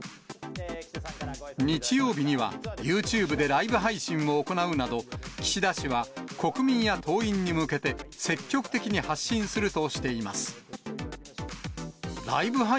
日曜日には、ユーチューブでライブ配信を行うなど、岸田氏は国民や党員に向けて、積極的に発信するとしています。